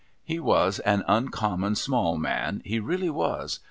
He was a un common small man, he really was.